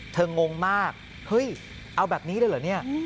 งงมากเฮ้ยเอาแบบนี้เลยเหรอเนี่ย